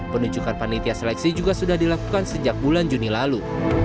penunjukan panitia seleksi juga sudah dilakukan sejak bulan juni lalu